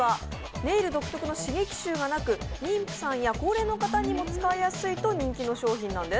ネイル独特の刺激臭がなく、妊婦さんや高齢の方にも使いやすいと人気の商品なんです。